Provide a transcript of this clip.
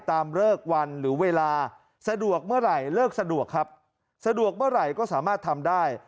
เลิกวันหรือเวลาสะดวกเมื่อไหร่เลิกสะดวกครับสะดวกเมื่อไหร่ก็สามารถทำได้